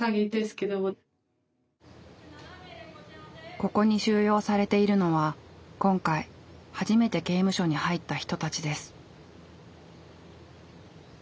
ここに収容されているのは今回初めて刑務所に入った人たちです。